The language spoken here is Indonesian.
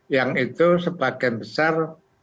yang itu sebagian besar